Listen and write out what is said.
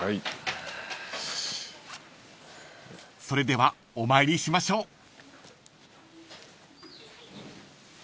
［それではお参りしましょう］